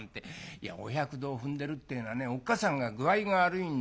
いやお百度を踏んでるってえのはねおっかさんが具合が悪いんだよ。